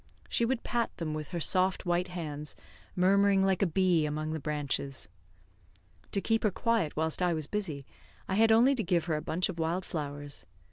She would pat them with her soft white hands, murmuring like a bee among the branches. To keep her quiet whilst I was busy, I had only to give her a bunch of wild flowers.